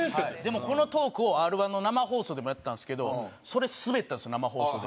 でもこのトークをＲ−１の生放送でもやってたんですけどそれスベったんですよ生放送で。